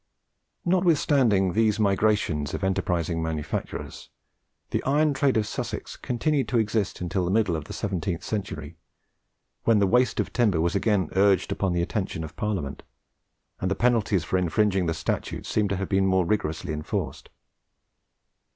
Notwithstanding these migrations of enterprising manufacturers, the iron trade of Sussex continued to exist until the middle of the seventeenth century, when the waste of timber was again urged upon the attention of Parliament, and the penalties for infringing the statutes seem to have been more rigorously enforced.